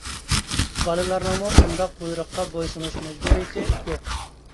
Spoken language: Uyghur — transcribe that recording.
بالىلارنىڭمۇ ئۇنداق بۇيرۇققا بويسۇنۇش مەجبۇرىيىتى يوق.